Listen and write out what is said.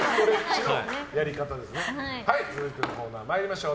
続いてのコーナー参りましょう。